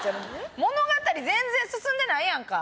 物語全然進んでないやんか。